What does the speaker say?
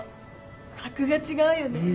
格が違うよね。